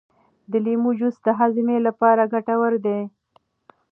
د لیمو جوس د هضم لپاره ګټور دی.